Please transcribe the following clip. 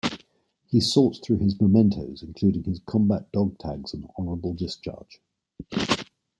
He sorts through his mementos, including his combat dog tags and honorable discharge.